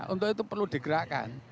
untuk itu perlu digerakkan